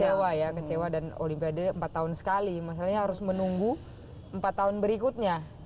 kecewa ya kecewa dan olimpiade empat tahun sekali masalahnya harus menunggu empat tahun berikutnya